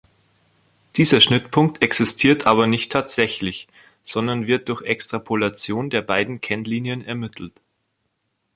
Dieser Schnittpunkt existiert aber nicht tatsächlich, sondern wird durch Extrapolation der beiden Kennlinien ermittelt.